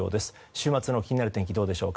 週末の気になる天気どうでしょうか。